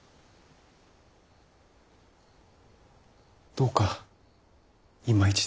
どうかいま一度。